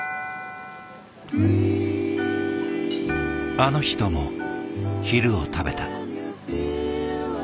あの人も昼を食べた。